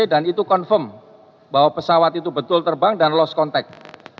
dan itu confirm bahwa pesawat itu betul terbang dan lost contact